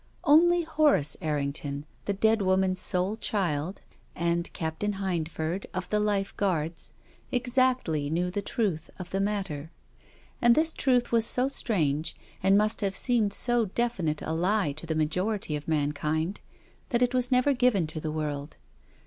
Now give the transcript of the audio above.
Only Horace Errington, the dead woman's sole child, and Captain Hindford, of the Life Guards, exactly knew the truth of the matter. And this truth was so strange, and must have seemed so definite a lie to the majority of mankind, that it was never given to the world.